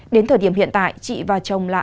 đến thời điểm hiện tại chị và chồng là